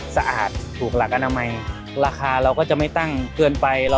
สะอาดถูกหลักอนามัยราคาเราก็จะไม่ตั้งเกินไป